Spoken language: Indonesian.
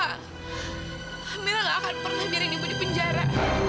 alhamdulillah gak akan pernah biarin ibu di penjara